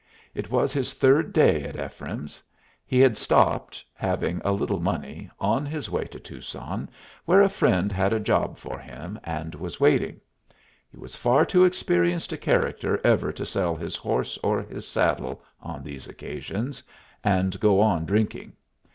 It was his third day at Ephraim's. He had stopped, having a little money, on his way to Tucson, where a friend had a job for him, and was waiting. He was far too experienced a character ever to sell his horse or his saddle on these occasions, and go on drinking.